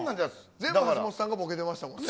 全部橋本さんがボケてましたもんね。